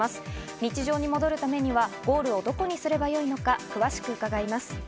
日常に戻るためには、ゴールをどこにすればいいのか詳しく伺います。